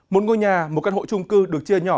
một ngôi nhà một căn hộ trung cư được chia nhỏ